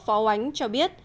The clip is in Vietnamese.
phó oánh cho biết